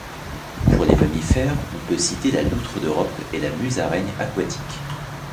Pour les mammifères, on peut citer la Loutre d'Europe et la Musaraigne aquatique.